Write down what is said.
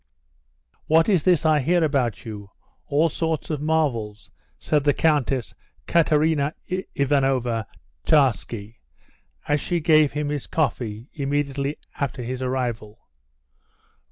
"What is this I hear about you? All sorts of marvels," said the Countess Katerina Ivanovna Tcharsky, as she gave him his coffee immediately after his arrival.